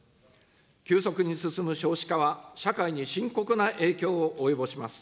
急速に進む少子化は、社会に深刻な影響を及ぼします。